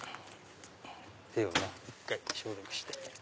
手をね１回消毒して。